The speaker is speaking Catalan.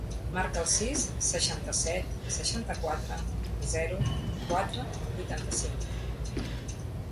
Marca el sis, seixanta-set, seixanta-quatre, zero, quatre, vuitanta-cinc.